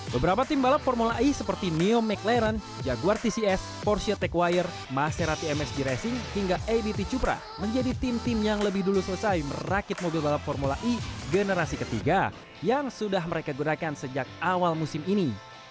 beberapa tim balap formula e seperti neo mclaren jaguar tcs porshio takewire maserati msg racing hingga abt cupra menjadi tim tim yang lebih dulu selesai merakit mobil balap formula e generasi ketiga yang sudah mereka gunakan sejak awal musim ini